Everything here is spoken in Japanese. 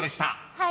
はい。